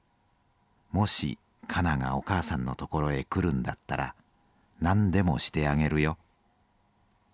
もしかながお母さんのところへくるんだったら何でもしてあげるよ」。